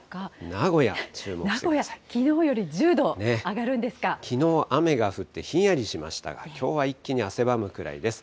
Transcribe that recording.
名古屋、きのうより１０度上きのう雨が降って、ひんやりしましたが、きょうは一気に汗ばむくらいです。